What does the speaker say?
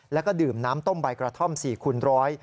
แล้วก็ดื่มน้ำต้มใบกระท่อม๔คูณร้อย